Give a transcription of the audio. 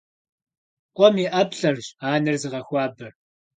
Къуэм и ӏэплӏэрщ анэр зыгъэхуабэр.